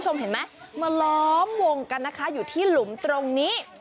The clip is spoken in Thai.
มาล้อมวงอยู่ที่หลุมตรงนี้